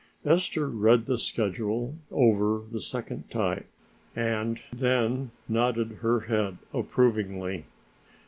Ester read the schedule over the second time and then nodded her head approvingly.